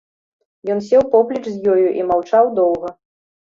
Ён сеў поплеч з ёю і маўчаў доўга.